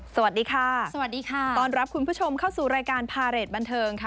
สวัสดีค่ะสวัสดีค่ะต้อนรับคุณผู้ชมเข้าสู่รายการพาเรทบันเทิงค่ะ